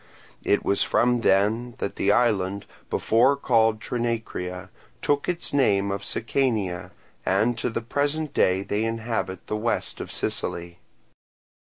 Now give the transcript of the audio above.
It was from them that the island, before called Trinacria, took its name of Sicania, and to the present day they inhabit the west of Sicily.